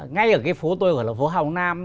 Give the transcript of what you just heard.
ngay ở cái phố tôi gọi là phố hào nam